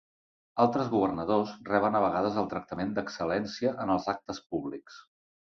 Altres governadors reben a vegades el tractament d' Excel·lència en els actes públics.